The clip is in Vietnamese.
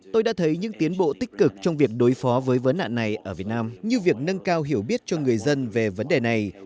tôi đã thấy những tiến bộ tích cực trong việc đối phó với vấn nạn này ở việt nam như việc nâng cao hiểu biết cho người dân về vấn đề này